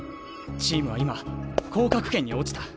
チームは今降格圏に落ちた。